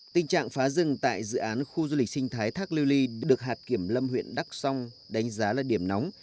tình trạng phá rừng tại dự án khu du lịch sinh thái thác lưu ly được hạt kiểm lâm huyện đắk song đánh giá là điểm nóng